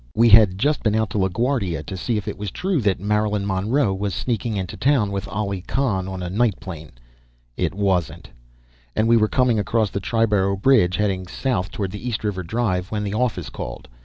We had just been out to LaGuardia to see if it was true that Marilyn Monroe was sneaking into town with Aly Khan on a night plane it wasn't and we were coming across the Triborough Bridge, heading south toward the East River Drive, when the office called.